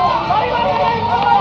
kau akan gewa gua